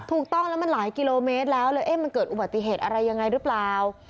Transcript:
ถูกต้องแล้วมันหลายกิโลเมตรแล้วเลยเอ๊ะมันเกิดอุบัติเหตุอะไรยังไงหรือเปล่า